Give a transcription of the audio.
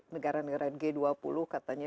negara negara g dua puluh katanya